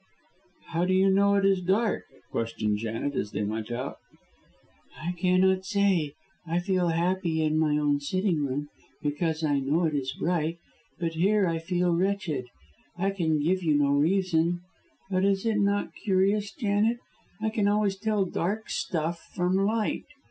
"How do you know it is dark?" questioned Janet, as they went out. "I cannot say. I feel happy in my own sitting room, because I know it is bright; but here I feel wretched. I can give you no reason. But is it not curious, Janet? I can always tell dark stuff from light.